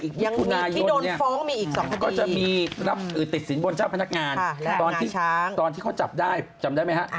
คู่ชานโดนเจ้าพนักงานในตอนที่เขาจับได้จำได้ไหมฮะ